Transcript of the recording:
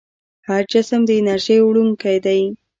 هر جسم د انرژۍ وړونکی دی.